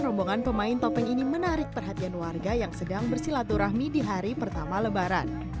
rombongan pemain topeng ini menarik perhatian warga yang sedang bersilaturahmi di hari pertama lebaran